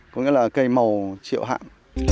có nghĩa là cây màu triệu hạng